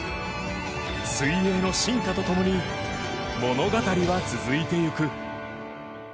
水泳の進化と共に物語は続いてゆく。